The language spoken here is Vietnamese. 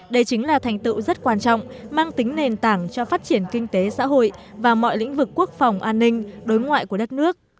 đây chính là thành tựu rất quan trọng mang tính nền tảng cho phát triển kinh tế xã hội và mọi lĩnh vực quốc phòng an ninh đối ngoại của đất nước